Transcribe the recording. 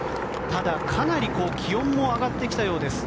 ただ、かなり気温も上がってきたようです。